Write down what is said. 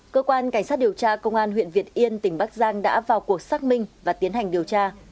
cơ quan cảnh sát điều tra công an huyện việt yên tỉnh bắc giang đã vào cuộc xác minh và tiến hành điều tra